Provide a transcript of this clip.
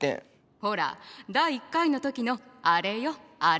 ほら第１回の時のあれよあれ！